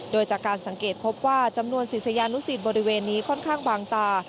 โดยจากการสังเกตพบว่าจำนวนศิษยานุสิตบริเวณนี้ค่อนข้างบางตา